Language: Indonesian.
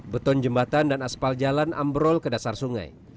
beton jembatan dan aspal jalan ambrol ke dasar sungai